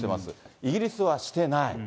イギリスはしてない。